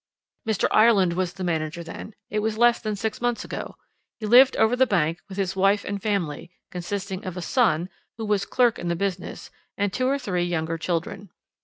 "Mr. Ireland was the manager then; it was less than six months ago. He lived over the bank, with his wife and family, consisting of a son, who was clerk in the business, and two or three younger children.